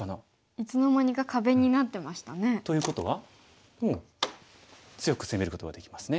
いつの間にか壁になってましたね。ということはもう強く攻めることができますね。